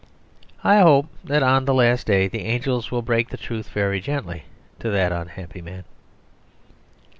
I hope that on the last day the angels will break the truth very gently to that unhappy man.